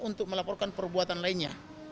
untuk melaporkan perbuatan lainnya